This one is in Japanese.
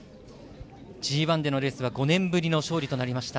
ＧＩでのレースは５年ぶりの勝利となりました。